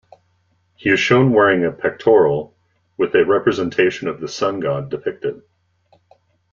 He is shown wearing a pectoral with a representation of the sun god depicted.